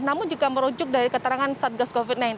namun jika merujuk dari keterangan satgas covid sembilan belas